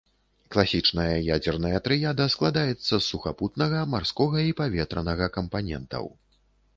Класічная ядзерная трыяда складаецца з сухапутнага, марскога і паветранага кампанентаў.